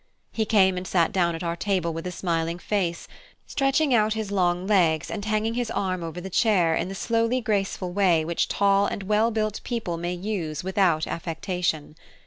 He came and sat down at our table with a smiling face, stretching out his long legs and hanging his arm over the chair in the slowly graceful way which tall and well built people may use without affectation.